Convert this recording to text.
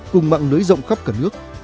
cùng mạng lưới rộng khắp cả nước